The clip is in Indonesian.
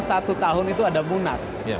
satu tahun itu ada munas